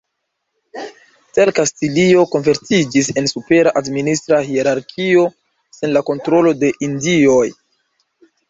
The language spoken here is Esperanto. Tial Kastilio konvertiĝis en supera administra hierarkio sen la kontrolo de Indioj.